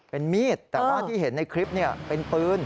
เป็นมีดแต่ว่าที่เห็นในคลิปเป็นปืน